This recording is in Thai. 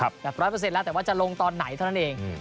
แบบ๑๐๐แล้วแต่ว่าจะลงตอนไหนเท่านั้นเอง